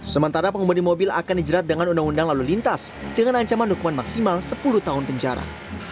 sementara pengemudi mobil akan dijerat dengan undang undang lalu lintas dengan ancaman hukuman maksimal sepuluh tahun penjara